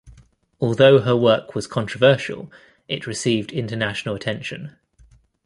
Although her work was controversial, it received international attention.